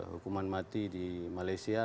hukuman mati di malaysia